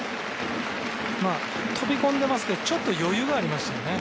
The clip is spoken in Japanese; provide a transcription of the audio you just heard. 飛び込んでますけどちょっと余裕がありましたよね。